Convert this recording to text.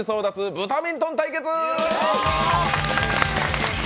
ブタミントン対決！